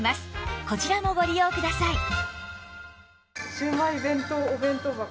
シウマイ弁当お弁当箱。